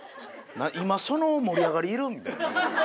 今その盛り上がりいる？みたいな。